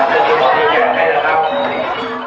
ทุกคนกลับมาเมื่อเวลาอาทิตย์สุดท้าย